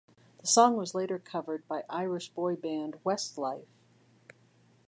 The song was later covered by Irish boyband Westlife.